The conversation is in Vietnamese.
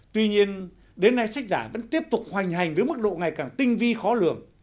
tuy nhiên đến nay sách giả vẫn tiếp tục hoành hành với mức độ ngày càng tinh vi khó lường